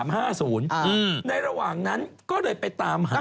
หวังนั้นก็เลยไปตามหา